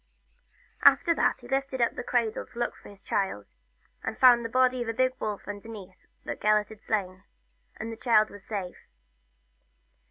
After that he lifted up the cradle to look for his child, and found the body of a big wolf underneath that Gelert had slain, and his child was safe.